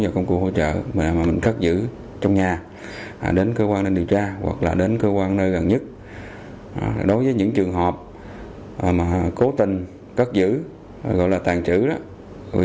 năm mươi sáu công cụ hỗ trợ một mươi năm quả đạn một một trăm một mươi năm viên đạn các loại